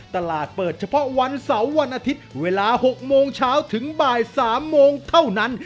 ตลาดเปิดเฉพาะวันเสาร์วันอาทิตย์เวลา๖โมงเช้าถึงบ่าย๓โมงเท่านั้น